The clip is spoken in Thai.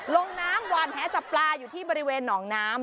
ลงน้ำหวานแหจับปลาอยู่ที่บริเวณหนองน้ำ